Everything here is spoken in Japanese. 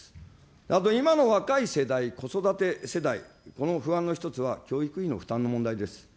あと、今の若い世代、子育て世代、この不安の一つは教育費の負担の問題です。